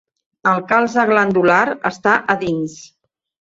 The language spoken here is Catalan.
El calze glandular està a dins.